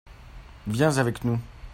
viens avec nous.